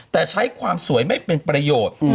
แต่ใช้ความสวยไม่เป็นประโยชน์